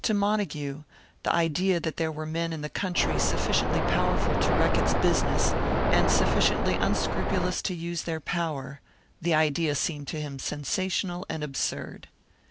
To Montague the idea that there were men in the country sufficiently powerful to wreck its business, and sufficiently unscrupulous to use their power the idea seemed to him sensational and absurd.